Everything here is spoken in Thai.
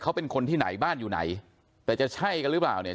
เขาเป็นคนที่ไหนบ้านอยู่ไหนแต่จะใช่กันหรือเปล่าเนี่ย